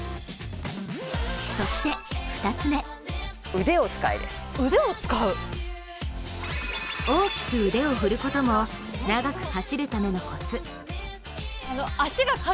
そして２つ目大きく腕を振ることも、長く走るためのコツ。